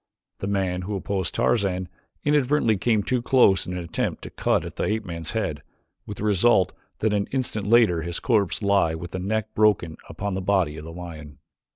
The man who opposed Tarzan inadvertently came too close in an attempt to cut at the ape man's head, with the result that an instant later his corpse lay with the neck broken upon the body of the lion.